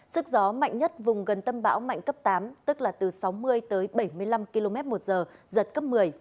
sức gió mạnh nhất vùng gần tâm bão mạnh cấp tám tức là từ sáu mươi tới bảy mươi năm km một giờ giật cấp một mươi